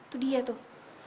tuh dia tuh